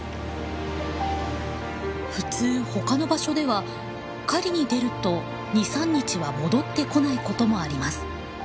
普通他の場所では狩りに出ると２３日は戻ってこないこともあります。